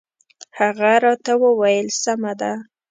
هغه راته وویل سمه ده.